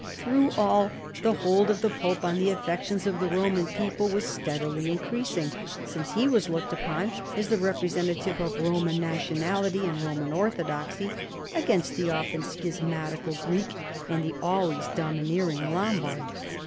Through all, the hold of the pope on the affections of the Roman people was steadily increasing, since he was looked upon as the representative of Roman nationalit}' and Roman orthodoxy against the often schismatical Greek and the always domineering Lombard.